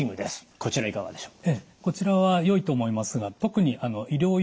こちらいかがでしょう？